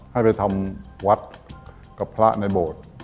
ให้ไปทำวัดกับพระในโบสถ์